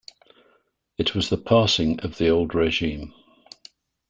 It was the passing of the old regime.